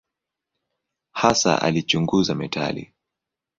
Hasa alichunguza metali.